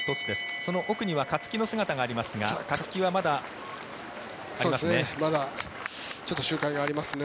その奥には勝木の姿がありますが勝木はまだありますね。